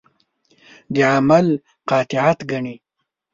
د عمل قاطعیت ګڼي.